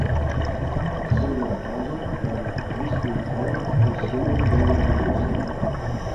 Segue la pagina con "Cristo in trono e i simboli degli evangelisti".